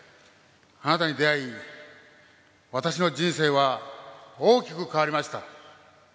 あなたに出会い、私の人生は大きく変わりました。